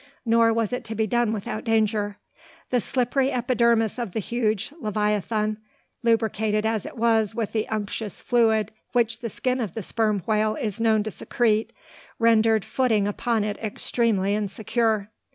Nor was it to be done without danger. The slippery epidermis of the huge leviathan, lubricated as it was with that unctuous fluid which the skin of the sperm whale is known to secrete, rendered footing upon it extremely insecure.